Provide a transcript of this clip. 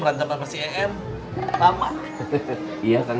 lalu mah kasar ceng